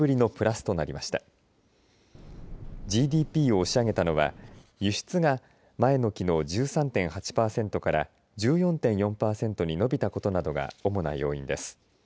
ＧＤＰを押し上げたのは輸出が前の期の１３．８パーセントから１４．４パーセントに伸びたことなどが主な要因です。